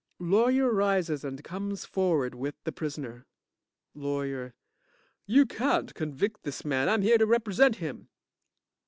(LAWYER arises and comes forward with the prisoner) LAWYER You can't convict this man. I'm here to represent him.